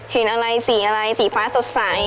เห็นอะไรสีอะไรสีฟ้าสดใส